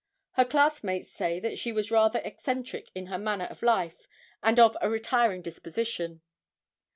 Her classmates say that she was rather eccentric in her manner of life, and of a retiring disposition.